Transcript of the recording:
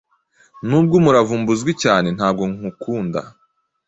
nubwo umuravumba uzwi cyane ntabwo nkukunda